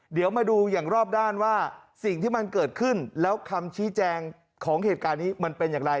เดี๋ยวมาดูอย่างรอบด้านว่าสิ่งที่มันเกิดขึ้นแล้วคำชี้แจงของเหตุการณ์นี้มันเป็นอย่างไร